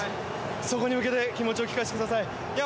そこに向けて気持ちを聞かせてください。